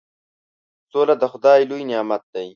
سوله د خدای لوی نعمت دی.